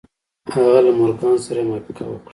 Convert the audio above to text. هغه له مورګان سره يې موافقه وکړه.